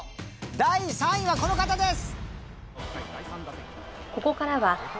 第３位はこの方です！